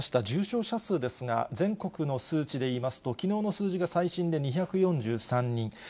重症者数ですが、全国の数値でいいますと、きのうの数字が最新で２４３人。